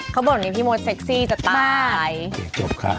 เขาบอกวันนี้พี่มดเซ็กซี่จะตายจบค่ะ